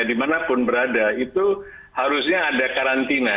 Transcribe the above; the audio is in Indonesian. dimanapun berada itu harusnya ada karantina